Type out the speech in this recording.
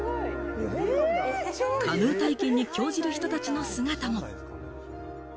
カヌー体験に興じる人たちの姿も。